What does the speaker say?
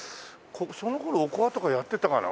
その頃おこわとかやってたかな？